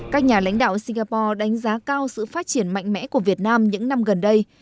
các nhà lãnh đạo singapore đánh giá cao sự phát triển mạnh mẽ của việt nam những năm gần đây